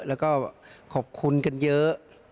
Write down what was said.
แล้วก็ขอบคุณกันเยอะ